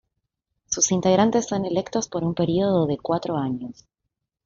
Sus integrantes son electos por un período de cuatro años.